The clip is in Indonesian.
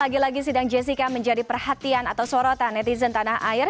lagi lagi sidang jessica menjadi perhatian atau sorotan netizen tanah air